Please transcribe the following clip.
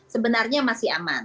sebenarnya masih aman